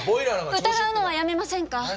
疑うのはやめませんか？